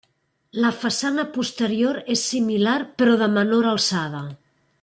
La façana posterior és similar però de menor alçada.